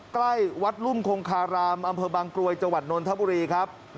ใกล้วัดรุ่มคงคารามอำเภอบางกรวยจังหวัดนนทบุรีครับ